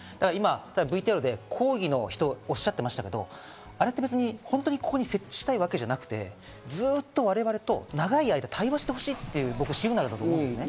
ＶＴＲで抗議してる人がおっしゃってましたけど、あれって別に、ここに設置したいわけじゃなくて、ずっと我々と長い間、対話してほしいというシグナルだと思う。